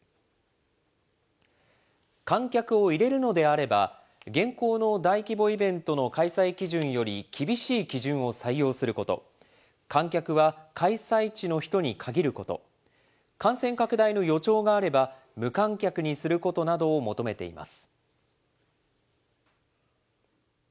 観客を入れるのであれば、現行の大規模イベントの開催基準より厳しい基準を採用すること、観客は開催地の人に限ること、感染拡大の予兆があれば、無観客にすることなどを求めています。